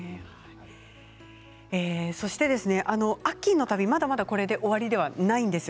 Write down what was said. そして、アッキーの旅はまだまだこれで終わりではありません。